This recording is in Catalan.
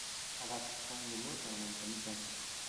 Edat còngrua per a mantenir casa.